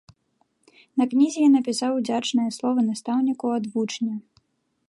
На кнізе я напісаў удзячныя словы настаўніку ад вучня.